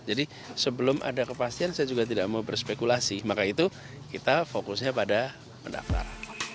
jadi sebelum ada kepastian saya juga tidak mau berspekulasi maka itu kita fokusnya pada mendaftar